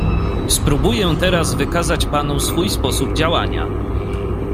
"Spróbuję teraz wykazać panu swój sposób działania."